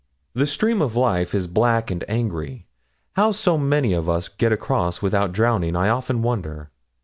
The stream of life is black and angry; how so many of us get across without drowning, I often wonder.